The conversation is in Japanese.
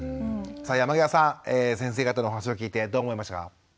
さあ山際さん先生方のお話を聞いてどう思いましたか？